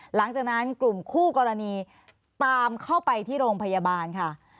หลังจากนั้นกลุ่มคู่กรณีตามเข้าไปที่โรงพยาบาลค่ะ